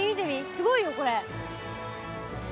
すごいよこれ。